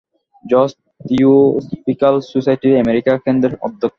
জজ থিওসফিক্যাল সোসাইটির আমেরিকা-কেন্দ্রের অধ্যক্ষ।